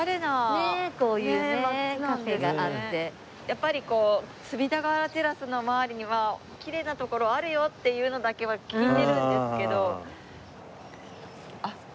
やっぱりこう隅田川テラスの周りにはきれいな所あるよっていうのだけは聞いてるんですけど。